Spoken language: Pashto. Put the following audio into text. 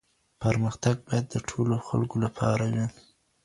پرمختګ باید د ټولو خلګو لپاره وي.